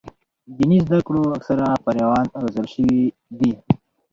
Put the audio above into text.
دیني زده کړو اکثره فارغان روزل شوي دي.